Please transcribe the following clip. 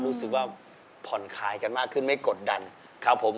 รู้สึกว่าผ่อนคลายกันมากขึ้นไม่กดดันครับผม